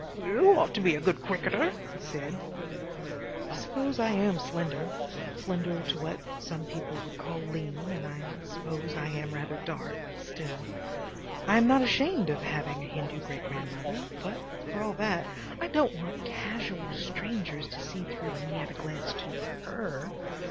"YOU ought to be a good cricketer," he said. I suppose I am slender, slender to what some people would call lean, and I suppose I am rather dark, still—I am not ashamed of having a Hindu great grandmother, but, for all that, I don't want casual strangers to see through me at a glance to HER.